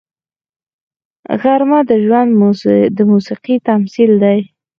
غرمه د ژوند د موسیقۍ تمثیل ده